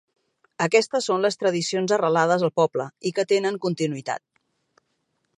Aquestes són les tradicions arrelades al poble i que tenen continuïtat.